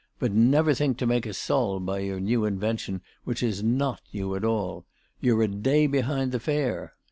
But never think to make a sol by your new invention which is not new at all. You're a day behind the fair.